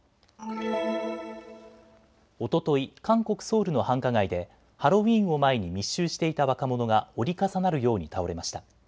おととい、韓国ソウルの繁華街でハロウィーンを前に密集していた若者が折り重なるように倒れました。